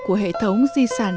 của hệ thống di sản